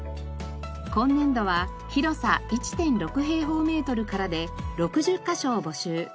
今年度は広さ１．６平方メートルからで６０カ所を募集。